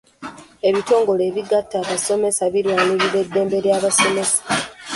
Ebitongole ebigatta abasomesa birwanirira eddembe ly'abasomesa.